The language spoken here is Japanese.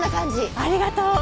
ありがとう！